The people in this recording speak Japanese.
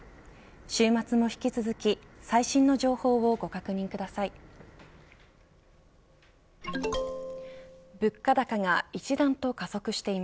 週末も引き続き最新の情報をご確認ください。